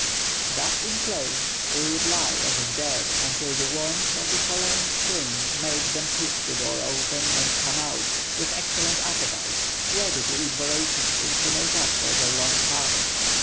Thus enclosed they would lie as if dead until the warmth of the following spring made them push the door open and come out, with excellent appetites, ready to eat voraciously to make up for their long fast.